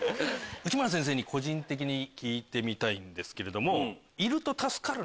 内村先生に個人的に聞いてみたいんですけれども。